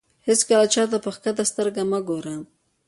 هېڅکله چاته په کښته سترګه مه ګوره.